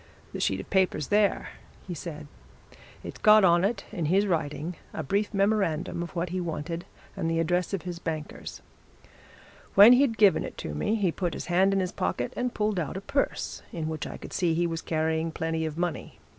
"The sheet of paper's there," he said. "It's got on it, in his writing, a brief memorandum of what he wanted and the address of his bankers. When he'd given it to me, he put his hand in his pocket and pulled out a purse in which I could see he was carrying plenty of money.